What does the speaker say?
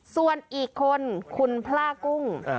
ส่วนอีกคนคุณพล่ากุ้ง